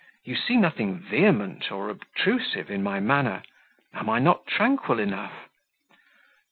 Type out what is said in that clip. You see nothing vehement or obtrusive in my manner; am I not tranquil enough?"